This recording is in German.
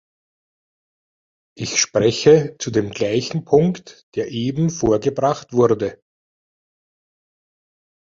Ich spreche zu dem gleichen Punkt, der eben vorgebracht wurde.